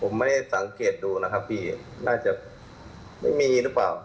ผมไม่สังเกตดูนะครับหน้าจะไม่มีหรือเปล่าไม่แน่ใจ